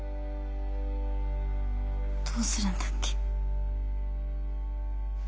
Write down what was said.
どうするんだっけ。